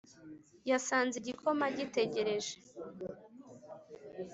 yasanze igikoma gitegereje